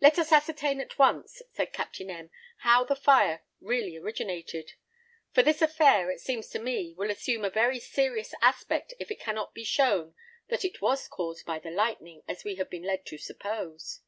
"Let us ascertain at once," said Captain M , "how the fire really originated; for this affair, it seems to me, will assume a very serious aspect if it cannot be shown that it was caused by the lightning, as we have been led to suppose."